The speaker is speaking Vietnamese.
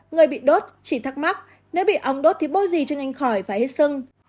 người bị đốt chỉ thắc mắc nếu bị ong đốt thì bôi gì cho anh khỏi và hết sưng